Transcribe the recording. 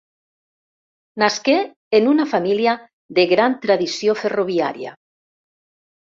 Nasqué en una família de gran tradició ferroviària.